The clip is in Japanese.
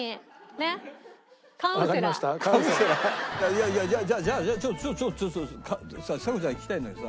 いやいやじゃあじゃあじゃあちょっとちょっとちょっとちさ子ちゃんに聞きたいんだけどさ